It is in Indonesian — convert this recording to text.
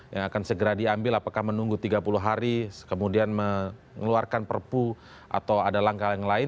yang akan segera diambil apakah menunggu tiga puluh hari kemudian mengeluarkan perpu atau ada langkah yang lain